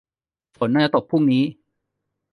ฝนน่าจะตกพรุ่งนี้